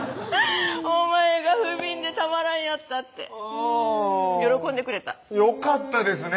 「お前がふびんでたまらんやった」って喜んでくれたよかったですね